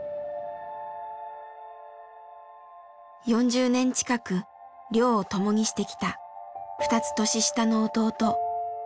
４０年近く漁を共にしてきた２つ年下の弟常吉さん。